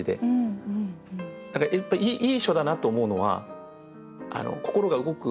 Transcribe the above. やっぱりいい書だなと思うのは「心が動く」